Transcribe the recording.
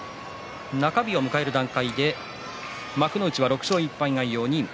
中日を迎える段階で幕内は６勝１敗が４人。